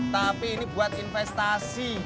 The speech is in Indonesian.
tapi ini buat investasi